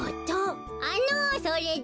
あのそれで？